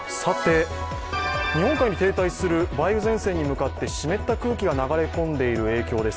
日本海に停滞する梅雨前線に向かって湿った空気が流れ込んでいる影響です。